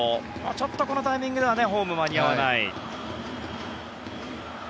ちょっとこのタイミングではホーム間に合わない。